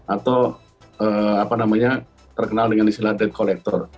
atau apa namanya terkenal dengan isilah debt collector